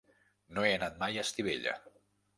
No he anat mai a Estivella.